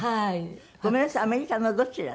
ごめんなさいアメリカのどちらですか？